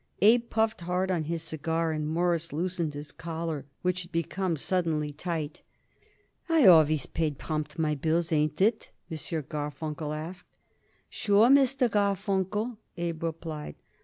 Abe puffed hard on his cigar, and Morris loosened his collar, which had become suddenly tight. "I always paid prompt my bills. Ain't it?" M. Garfunkel asked. "Sure, Mr. Garfunkel," Abe replied.